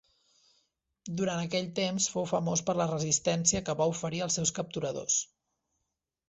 Durant aquell temps, fou famós per la resistència que va oferir als seus capturadors.